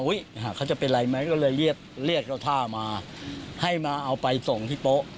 อุ๊ยเขาจะเป็นไรไหมก็เลยเลือดละท่ามาให้มาเอาไปส่งที่โป๊ะ